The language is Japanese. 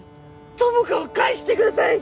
友果を返してください！